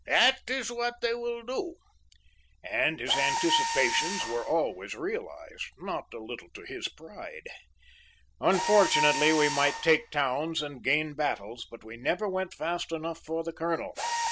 This is what they will do,' and his anticipations were always realized, not a little to his pride. Unfortunately, we might take towns and gain battles, but we never went fast enough for the Colonel.